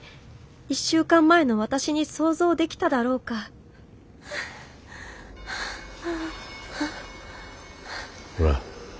１週間前の私に想像できただろうかほら